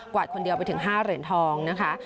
วาดคนเดียวไปถึง๕เหรียญทองนะคะ